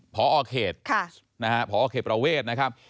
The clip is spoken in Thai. ผอเขจค่ะนะฮะผอเขจประเวทนะครับ